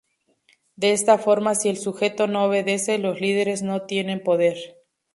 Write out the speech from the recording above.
De esa forma, si el sujeto no obedece, los líderes no tienen poder.